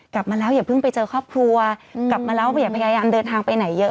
กลับมาแล้วอย่าเพิ่งไปเจอครอบครัวกลับมาแล้วอย่าพยายามเดินทางไปไหนเยอะ